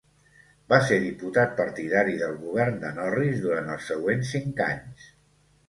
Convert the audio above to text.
Va ser diputat partidari del govern de Norris durant els següents cinc anys.